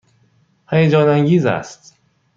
هیجان انگیز است.